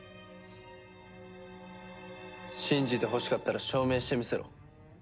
信じてほしかったら証明してみせろ。